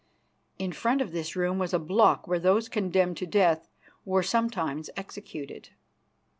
In front of this room was a block where those condemned to death were sometimes executed.